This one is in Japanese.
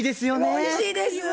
おいしいです。